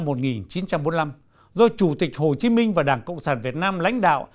trong năm một nghìn chín trăm bốn mươi năm do chủ tịch hồ chí minh và đảng cộng sản việt nam lãnh đạo